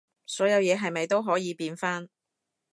所有嘢係咪都可以變返